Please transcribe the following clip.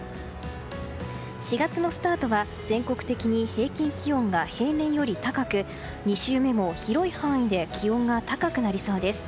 ４月のスタートは全国的に平均気温が平年より高く２週目も広い範囲で気温が高くなりそうです。